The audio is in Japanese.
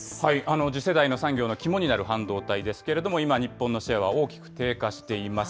次世代の産業の肝になる半導体ですけれども、今、日本のシェアは大きく低下しています。